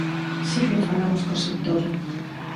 Si que falamos co sector.